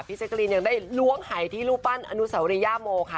เจ๊กรีนยังได้ล้วงหายที่รูปปั้นอนุสาวริยาโมค่ะ